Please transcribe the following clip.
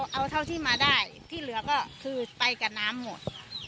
เอาเท่าที่มาได้ที่เหลือก็คือไปกับน้ำหมด